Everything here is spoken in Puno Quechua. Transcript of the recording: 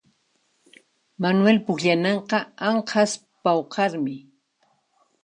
Manuel pukllananqa anqhas pawqarmi